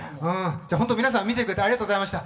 本当皆さん見てくれてありがとうございました。